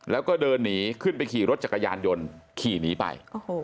แล้วก็เดินหนีขึ้นไปขี่รถจักรยานยนต์ขี่หนีไป